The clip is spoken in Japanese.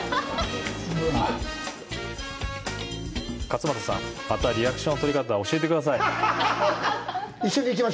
勝俣さん、またリアクションの取り方、教えてください。